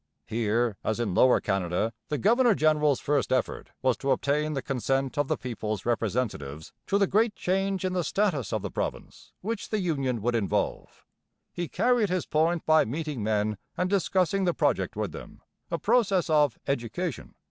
Here, as in Lower Canada, the governor general's first effort was to obtain the consent of the people's representatives to the great change in the status of the province which the union would involve. He carried his point by meeting men and discussing the project with them a process of education.